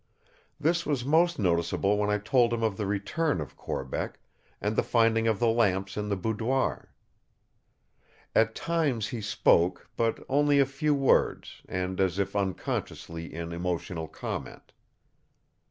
This was most noticeable when I told him of the return of Corbeck, and the finding of the lamps in the boudoir. At times he spoke, but only a few words, and as if unconsciously in emotional comment.